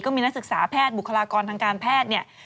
มีนักศึกษาแพทย์บุคลากรทางการแพทย์เนี่ย